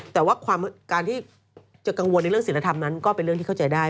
แต่ว่าการที่จะกังวลในเรื่องศิลธรรมนั้นก็เป็นเรื่องที่เข้าใจได้